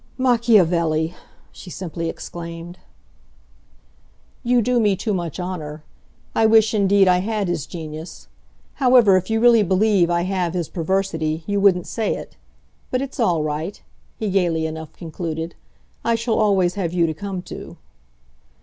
"Machiavelli!" she simply exclaimed. "You do me too much honour. I wish indeed I had his genius. However, if you really believe I have his perversity you wouldn't say it. But it's all right," he gaily enough concluded; "I shall always have you to come to."